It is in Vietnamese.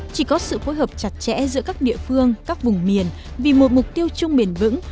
chỉ có sự phối hợp chặt chẽ giữa các địa phương các vùng miền vì một mục tiêu chung bền vững